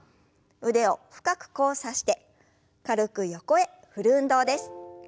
腕を深く交差して軽く横へ振る運動です。